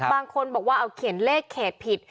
บางคนบอกว่าเอาเขียนเลขเขตผิด